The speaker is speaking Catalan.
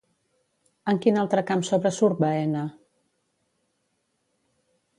En quin altre camp sobresurt Baena?